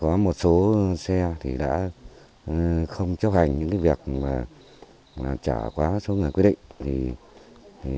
có một số xe đã không chấp hành những việc chở quá số người quy định